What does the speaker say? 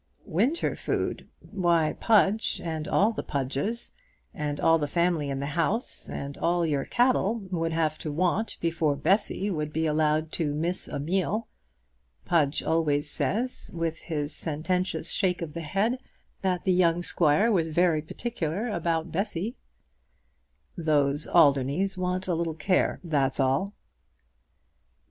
"Winter food! Why Pudge, and all the Pudges, and all the family in the house, and all your cattle would have to want, before Bessy would be allowed to miss a meal. Pudge always says, with his sententious shake of the head, that the young squire was very particular about Bessy." "Those Alderneys want a little care, that's all."